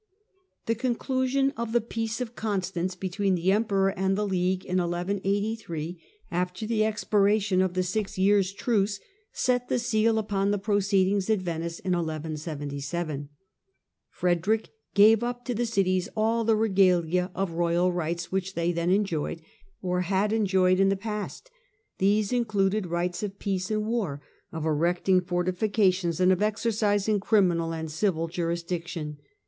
The conclusion of the Peace of Constance between the Peace of Emperor and the League in 1183, after the expiration nss * of the six years' truce, set the seal upon the proceedings at Venice in 1177/ Frederick gave up to the cities all the " regalia " or royal rights which they then enjoyed, or had enjoyed in the past. These included rights of peace and war, of erecting fortifications and of exercising criminal and civil jurisdiction.